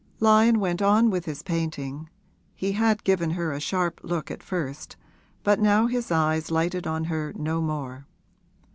Lyon went on with his painting; he had given her a sharp look at first, but now his eyes lighted on her no more.